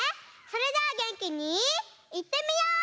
それじゃあげんきにいってみよう！